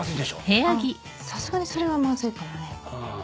あっさすがにそれはまずいかもね。